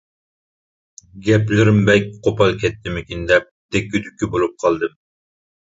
گەپلىرىم بەك قوپال كەتتىمىكىن دەپ دەككە-دۈككە بولۇپ قالدىم.